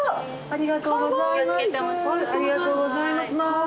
ありがとうございます。